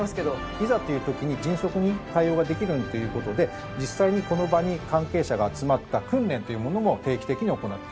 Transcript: いざっていう時に迅速に対応ができるようにという事で実際にこの場に関係者が集まった訓練というものも定期的に行っています。